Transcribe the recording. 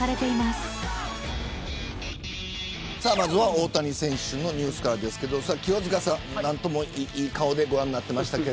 大谷選手のニュースからですが清塚さん何ともいい顔でご覧になっていましたが